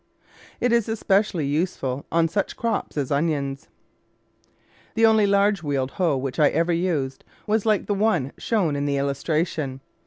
It is especially useful on such crops as onions. The only large wheeled hoe which I ever used was hke the one shown in the illustration.